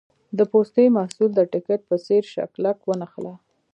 د پوستي محصول د ټیکټ په څېر شه کلک ونښله.